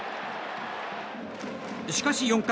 しかし４回。